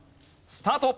スタート！